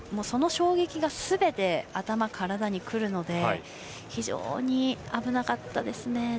その衝撃がすべて頭、体にくるので非常に危なかったですね。